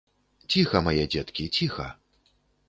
Ціха, мае дзеткі, ціха.